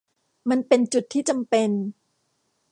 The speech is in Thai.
มันเป็นจุดที่จำเป็น